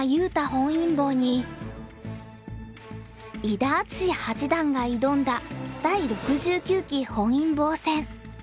本因坊に伊田篤史八段が挑んだ第６９期本因坊戦。